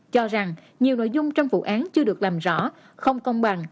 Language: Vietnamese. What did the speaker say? cho rằng nhiều nội dung trong vụ án chưa được làm rõ không công bằng